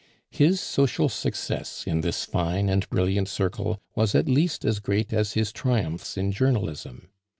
His social success in this fine and brilliant circle was at least as great as his triumphs in journalism.